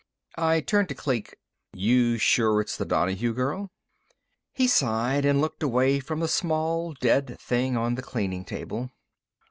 I turned to Kleek. "You sure it's the Donahue girl?" He sighed and looked away from the small dead thing on the cleaning table.